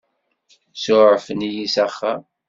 Suɛfen-iyi s axxam.